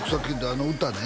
あの歌ね